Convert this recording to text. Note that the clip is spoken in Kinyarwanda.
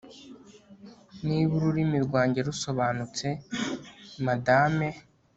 Niba ururimi rwanjye rusobanutse Madame